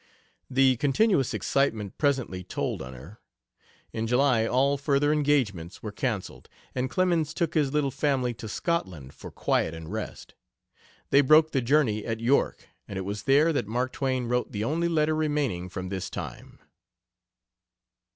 The continuous excitement presently told on her. In July all further engagements were canceled, and Clemens took his little family to Scotland, for quiet and rest. They broke the journey at York, and it was there that Mark Twain wrote the only letter remaining from this time.